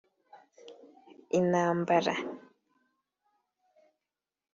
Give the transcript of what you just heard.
Intambara